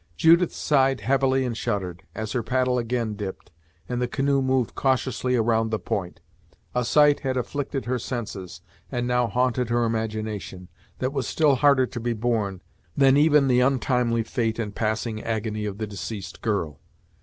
Judith sighed heavily and shuddered, as her paddle again dipped, and the canoe moved cautiously around the point. A sight had afflicted her senses, and now haunted her imagination, that was still harder to be borne, than even the untimely fate and passing agony of the deceased girl.